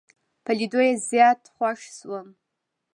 په لیدو یې زیات خوښ شوم.